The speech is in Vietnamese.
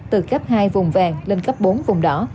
từ cấp hai vùng vàng lên cấp bốn vùng đỏ